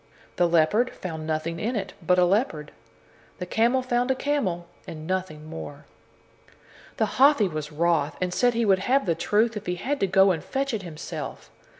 The leopard found nothing in it but a leopard. The camel found a camel, and nothing more. Then Hathi was wroth, and said he would have the truth, if he had to go and fetch it himself.